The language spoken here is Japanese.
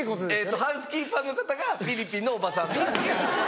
ハウスキーパーの方がフィリピンのおばさんなんです。